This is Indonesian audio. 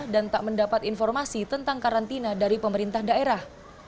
dan tak mendapat informasi tentang karantina dari pemerintah daerah